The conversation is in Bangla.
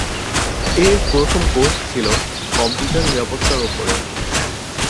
এর প্রথম কোর্স ছিল কম্পিউটার নিরাপত্তার ওপরে।